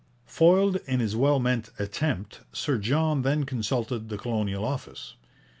Foiled in his well meant attempt, Sir John then consulted the Colonial Office.